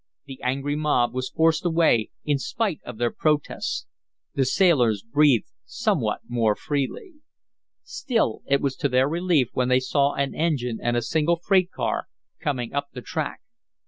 The angry mob was forced away, in spite of their protests. The sailors breathed somewhat more freely. Still it was to their relief when they saw an engine and a single freight car coming up the track.